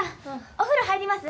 お風呂入ります？